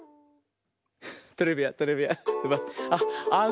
トレビアントレビアン。